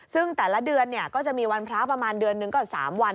ซึ่งแต่ละเดือนก็จะมีวันพระประมาณเดือนหนึ่งก็๓วัน